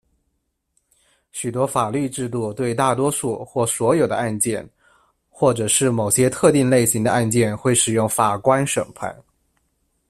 许多法律制度对大多数或所有的案件，或者是某些特定类型的案件会使用法官审判。